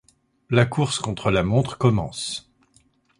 La course contre la montre commence.